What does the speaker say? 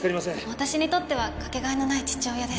私にとってはかけがえのない父親です